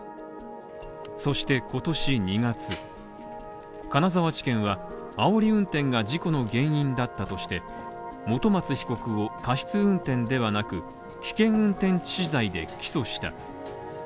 そして今年２月、金沢地検はあおり運転が事故の原因だったとして、本松被告を、過失運転ではなく、危険運転致死罪で起訴した。